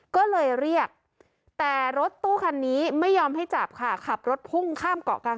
ก็เลยเรียกแต่รถตู้คันนี้ไม่ยอมให้จับค่ะขับรถพุ่งข้ามเกาะกลาง